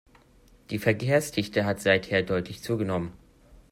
Die Verkehrsdichte hat seither deutlich zugenommen.